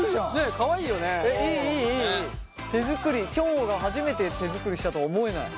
もが初めて手作りしたとは思えない。